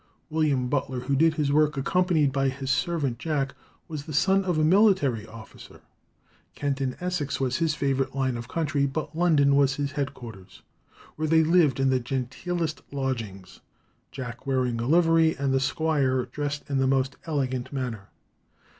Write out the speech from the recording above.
William Butler, who did his work accompanied by his servant Jack, was the son of a military officer. Kent and Essex was his favourite line of country, but London was his headquarters, where they lived in the "genteelest lodgings, Jack wearing a livery, and the squire dressed in the most elegant manner."